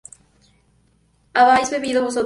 ¿habíais bebido vosotros?